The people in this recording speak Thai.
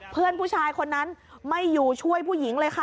เพื่อนผู้ชายคนนั้นไม่อยู่ช่วยผู้หญิงเลยค่ะ